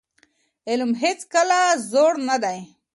علم هيڅکله زوړ نه دی.